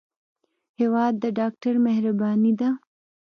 هېواد د ډاکټر مهرباني ده.